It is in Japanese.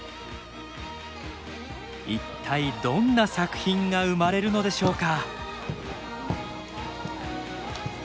一体どんな作品が生まれるのでしょうか？